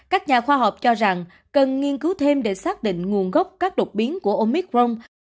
các nhà khoa học cho rằng cần nghiên cứu thêm để xác định nguồn gốc các đột biến của omic rong